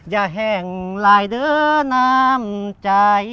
อย่าแห่งลายเด้อน้ำใจ